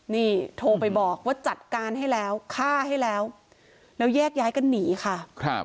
นี่โทรไปบอกว่าจัดการให้แล้วฆ่าให้แล้วแล้วแยกย้ายกันหนีค่ะ